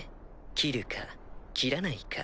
斬るか斬らないか。